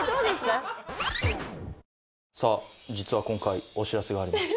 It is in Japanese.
さあ実は今回お知らせがあります。